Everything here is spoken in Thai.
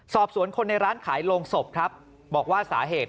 สอบสวนคนในร้านขายโรงศพครับบอกว่าสาเหตุ